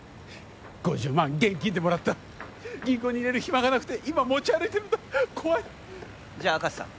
５０万現金でもらった銀行に入れる暇がなくて今持ち歩いてるんだ怖いじゃ明石さん